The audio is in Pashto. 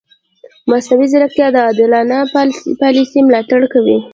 مصنوعي ځیرکتیا د عادلانه پالیسي ملاتړ کوي.